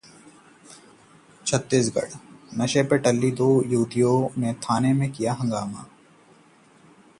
छत्तीसगढ़: नशे में टल्ली दो युवतियों ने थाने में किया हंगामा